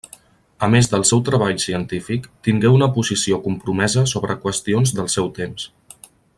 A més del seu treball científic, tingué una posició compromesa sobre qüestions del seu temps.